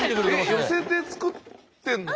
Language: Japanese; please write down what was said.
寄せて作ってんの？